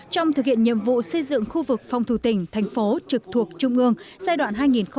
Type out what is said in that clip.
trong thực hiện nhiệm vụ xây dựng khu vực phòng thủ tỉnh thành phố trực thuộc trung ương giai đoạn hai nghìn tám hai nghìn một mươi tám